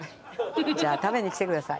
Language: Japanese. じゃあ食べに来てください。